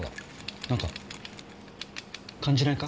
なんか感じないか？